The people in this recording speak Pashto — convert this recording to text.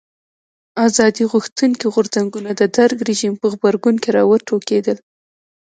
ازادي غوښتونکي غورځنګونه د درګ رژیم په غبرګون کې راوټوکېدل.